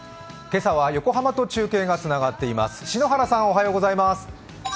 今朝は横浜と中継がつながっています。